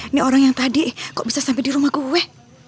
ini orang yang tadi kok bisa sampai di rumah gue